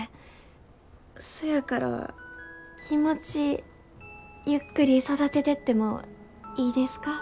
そやから気持ちゆっくり育ててってもいいですか？